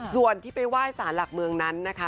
ส่วนที่ไปไหว้สารหลักเมืองนั้นนะคะ